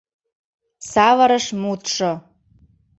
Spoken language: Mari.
Савырыш мутшо.